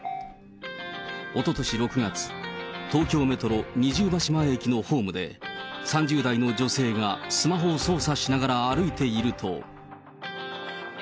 おととし６月、東京メトロ二重橋前駅のホームで、３０代の女性がスマホを操作しながら歩いていると。